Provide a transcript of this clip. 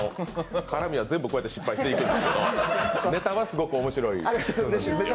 絡みは全部、こうやって失敗していくんですけどネタはすごく面白い。